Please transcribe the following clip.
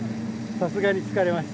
さすがに疲れました。